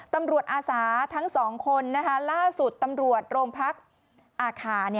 ตำรวจอาสาห์ทั้งสองคนล่าสุดตำรวจโรงพักอาคาร